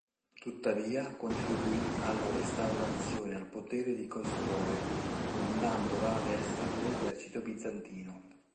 Tuttavia contribuì alla restaurazione al potere di Cosroe, comandando l'ala destra dell'esercito bizantino.